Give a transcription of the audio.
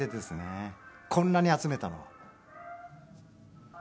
こんなに集めたのは。